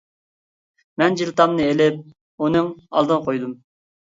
مەن جىلتامنى ئېلىپ ئۇنىڭ ئالدىغا قويدۇم.